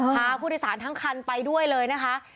พาผู้โดยสารทั้งคันไปด้วยเลยนะคะ